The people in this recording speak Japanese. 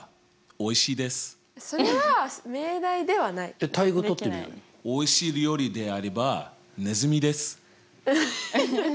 「おいしい料理であればネズミです」。